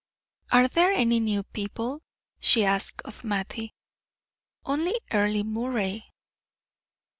"Are there any new people?" she asked of Mattie. "Only Earle Moray."